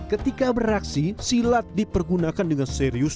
ketika beraksi silat dipergunakan dengan serius